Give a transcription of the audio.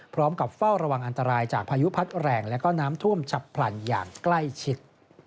เฝ้าระวังอันตรายจากพายุพัดแรงและก็น้ำท่วมฉับพลันอย่างใกล้ชิด